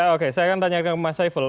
oke saya akan tanya ke mas saiful